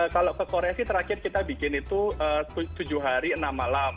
kalau ke korea sih terakhir kita bikin itu tujuh hari enam malam